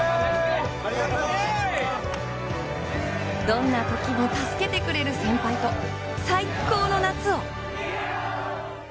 どんなときも助けてくれる先輩と、最高の夏を。